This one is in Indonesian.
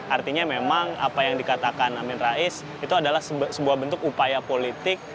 artinya memang apa yang dikatakan amin rais itu adalah sebuah bentuk upaya politik